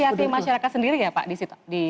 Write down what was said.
apakah ini siasi masyarakat sendiri ya pak